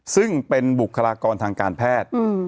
ซึ่งเป็นบุคลากรทางการแพทย์